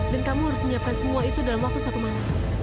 dan kamu harus menyiapkan semua itu dalam waktu satu malam